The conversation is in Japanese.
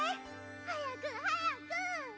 早く早く！